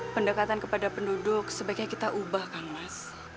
pendekatan kepada penduduk sebaiknya kita ubahkan mas